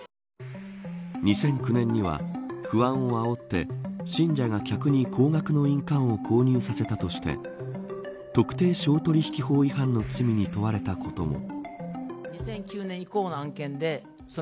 ２００９年には不安をあおって信者が客に高額の印鑑を購入させたとして特定商取引法違反の罪に問われたことも。